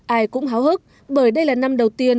ai cũng háo hức bởi đây là năm đầu tiên